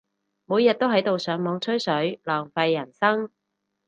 每日都喺度上網吹水，浪費人生